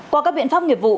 qua các biện pháp nghiệp vụ